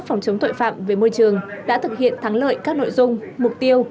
phòng chống tội phạm về môi trường đã thực hiện thắng lợi các nội dung mục tiêu